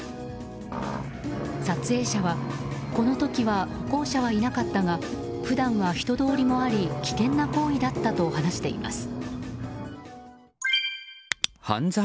撮影者はこの時は歩行者はいなかったが普段は人通りもあり危険な行為だったと話しています。